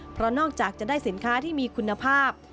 เพราะนอกจากจะได้สินค้าที่มีคุณภาพ